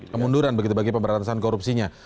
kemunduran begitu bagi pemberantasan korupsinya